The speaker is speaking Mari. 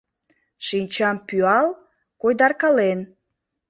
Шинчам пӱал, койдаркален